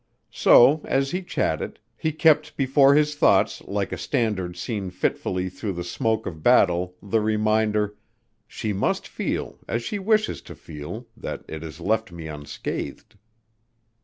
So, as he chatted, he kept before his thoughts like a standard seen fitfully through the smoke of battle the reminder, "She must feel, as she wishes to feel, that it has left me unscathed."